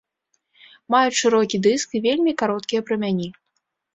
Маюць шырокі дыск і вельмі кароткія прамяні.